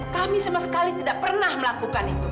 kami sama sekali tidak pernah melakukan itu